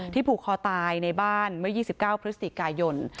ผูกคอตายในบ้านเมื่อ๒๙พฤศจิกายน